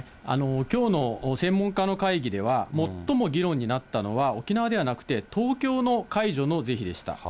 きょうの専門家の会議では、最も議論になったのは、沖縄ではなくて、東京の解除の是非でした。